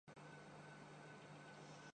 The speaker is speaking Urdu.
بیچارہ تیندوا چھپ چھپا کر زندگی گزار رہا تھا